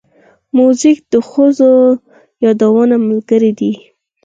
موزیک د خوږو یادونو ملګری دی.